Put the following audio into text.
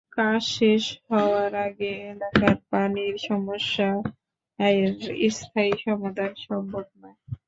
কাজ শেষ হওয়ার আগে এলাকার পানির সমস্যার স্থায়ী সমাধান সম্ভব নয়।